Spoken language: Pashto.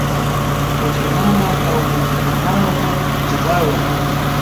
مجرمانو او منحرفانو ته جزا ورکړي.